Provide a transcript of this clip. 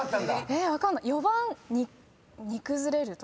分かんない４番「にくずれる」とか？